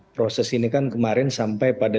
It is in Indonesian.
proses ini kan kemarin sampai pada